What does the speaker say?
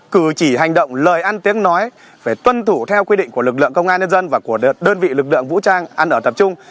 cử chỉ hành động lời ăn tiếng nói phải tuân thủ theo quy định của lực lượng công an nhân dân và của đơn vị lực lượng vũ trang ăn ở tập trung